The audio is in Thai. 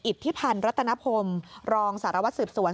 อิทธิพันธ์รัฐนพรรมรองสารวัตรศึกษวน